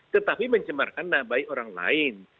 tetapi mencemarkan nabai orang lain